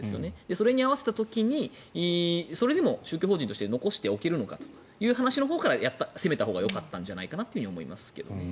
それに合わせた時にそれでも宗教法人として残しておけるのかという話から攻めたほうがよかったんじゃないかと思いますけど。